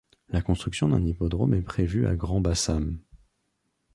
La construction d'un hippodrome est prévue à Grand-Bassam.